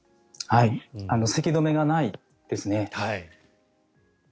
せき止めがないですね。